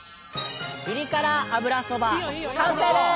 ピリ辛油そば完成です！